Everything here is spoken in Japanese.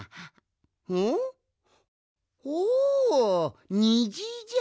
おおにじじゃ！